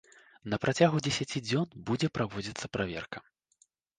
На працягу дзесяці дзён будзе праводзіцца праверка.